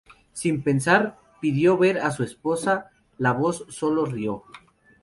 Sin pensar, pidió ver a su esposa: la voz sólo rió.